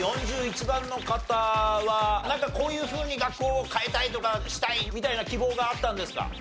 ４１番の方はなんかこういうふうに学校を変えたいとかしたい！みたいな希望があったんですか？